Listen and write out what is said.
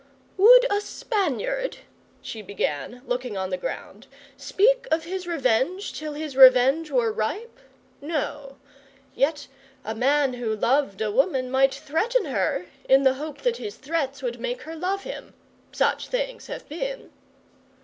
'Would a Spaniard,' she began, looking on the ground, 'speak of his revenge till his revenge were ripe? No. Yet a man who loved a woman might threaten her 'in the hope that his threats would make her love him. Such things have been.